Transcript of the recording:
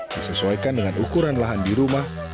disesuaikan dengan ukuran lahan di rumah